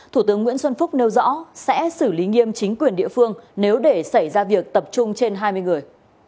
thủ tướng nguyễn xuân phúc nêu rõ sẽ xử lý nghiêm chính quyền địa phương nếu để xảy ra việc tập trung trên hai mươi người